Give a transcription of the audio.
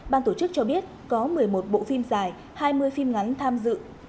ban tổ chức cho biết có một mươi một bộ phim dài hai mươi phim ngắn tham dự